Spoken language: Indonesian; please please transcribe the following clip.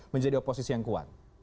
menjadi oposisi yang kuat